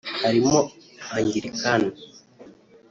harimo Angilikani